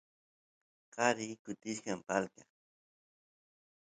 qari kutichkan palqa